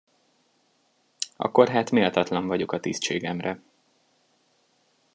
Akkor hát méltatlan vagyok a tisztségemre.